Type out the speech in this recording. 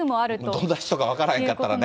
どんな人が分からへんかったらね。